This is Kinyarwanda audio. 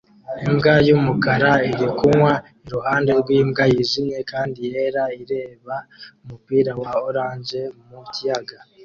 Imbwa y'umukara iri kunywa iruhande rw'imbwa yijimye kandi yera ireba umupira wa orange mu kiyaga